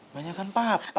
banyakan papa gama